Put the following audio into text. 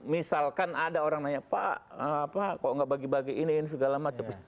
misalkan ada orang nanya pak kok enggak bagi bagi ini ini sudah lama